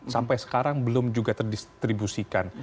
sampai sekarang belum juga terdistribusikan